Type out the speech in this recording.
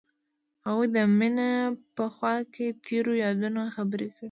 هغوی د مینه په خوا کې تیرو یادونو خبرې کړې.